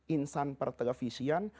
insan per televisian